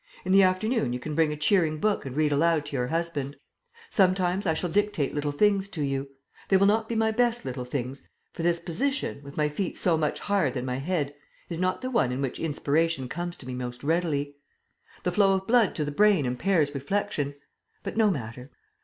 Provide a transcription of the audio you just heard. In the afternoon you can bring a cheering book and read aloud to your husband. Sometimes I shall dictate little things to you. They will not be my best little things; for this position, with my feet so much higher than my head, is not the one in which inspiration comes to me most readily. The flow of blood to the brain impairs reflection. But no matter."